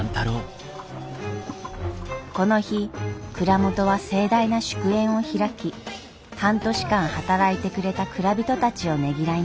この日蔵元は盛大な祝宴を開き半年間働いてくれた蔵人たちをねぎらいます。